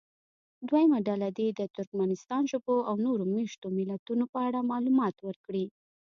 دویمه ډله دې د ترکمنستان ژبو او نورو مېشتو ملیتونو په اړه معلومات ورکړي.